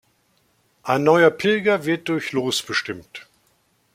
Ein neuer Pilger wird durch Los bestimmt.